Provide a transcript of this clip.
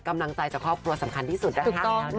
กำลังใจจากครอบครัวสำคัญที่สุดนะคะ